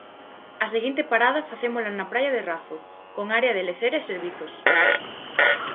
A seguinte parada facémola na praia de Razo, con área de lecer e servizos.